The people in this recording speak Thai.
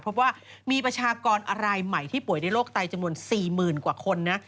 พบว่ามีประชากรอะไรใหม่ที่ป่วยในโรคไตจำนวน๔๐๐๐กว่าคนนะ